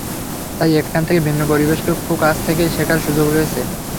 তাই এখান থেকে ভিন্ন পরিবেশকে খুব কাছ থেকেই শেখার সুযোগ রয়েছে।